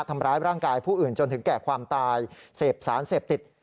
ทำร้ายร่างกายผู้อื่นจนถึงแก่ความตายเสพสารเสพติด